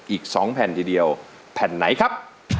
อีก๒แผ่นทีเดียวแผ่นไหนครับ